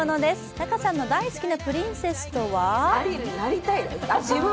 仲さんの大好きなプリンセスとは？